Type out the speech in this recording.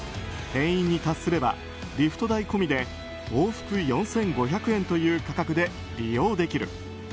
定員に達すればリフト代込みで往復４５００円という価格で利用できる。